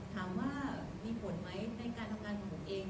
ถามว่ามีผลไหมในการทำงานของผมเอง